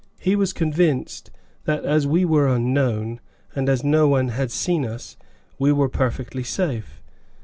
He was convinced that, as we were unknown and as no one had seen us, we were perfectly safe.